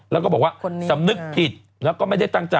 แล้วก็บอกว่าสำนึกผิดแล้วก็ไม่ได้ตั้งใจ